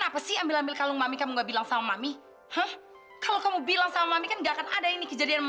papi jahat papi papi menciri